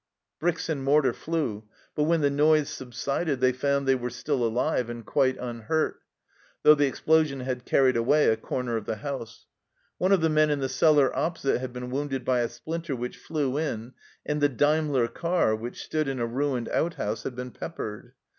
Bricks and mortar flew, but when the noise sub sided they found they were still alive and quite unhurt, though the explosion had carried away a corner of the house ; one of the men in the cellar opposite had been wounded by a splinter which flew in, and the Daimler car, which stood in a ruined out house, had been peppered.